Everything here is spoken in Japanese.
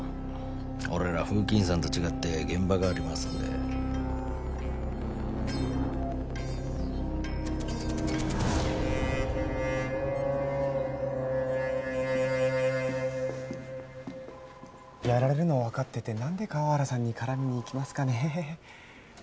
俺らは風紀委員さんと違って現場がありますんでやられるの分かってて何で河原さんに絡みにいきますかね